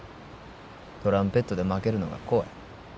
トランペットで負けるのが怖い。